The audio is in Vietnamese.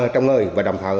trong người và đồng thờ